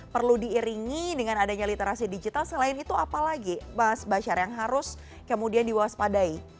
perlu diiringi dengan adanya literasi digital selain itu apa lagi mas basyar yang harus kemudian diwaspadai